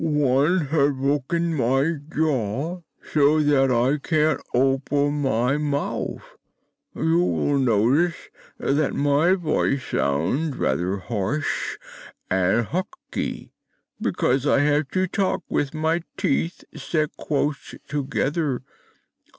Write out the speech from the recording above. "One has broken my jaw, so that I can't open my mouth. You will notice that my voice sounds rather harsh and husky, because I have to talk with my teeth set close together.